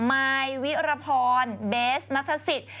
มายวิรพรเบสนัทศิษย์